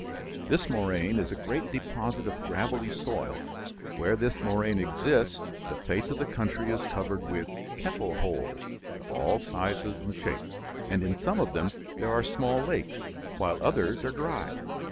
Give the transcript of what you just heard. This moraine is a great deposit of gravelly soil. Where this moraine exists the face of the country is covered with "kettle holes" of all sizes and shapes, and in some of them there are small lakes, while others are dry.